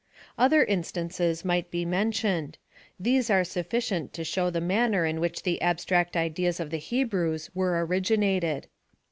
Other instances might be mentioned. These are sufficient to show the manner in which the. abstract ideas of the Hebrews were originated.